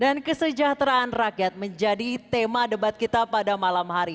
dan kesejahteraan rakyat menjadi tema debat kita pada malam hari